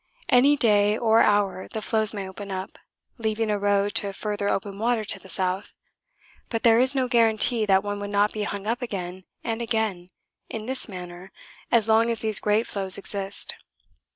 Any day or hour the floes may open up, leaving a road to further open water to the south, but there is no guarantee that one would not be hung up again and again in this manner as long as these great floes exist.